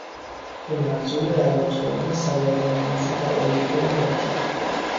به منظور رواج دادن سواد آموزی در امریکای لاتین